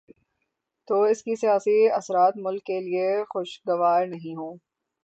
تو اس کے سیاسی اثرات ملک کے لیے خوشگوار نہیں ہوں۔